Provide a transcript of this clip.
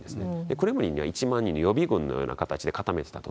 クレムリンには１万にという予備軍のような形で固めてたと。